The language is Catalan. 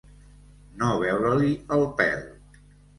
No veure-li el pèl.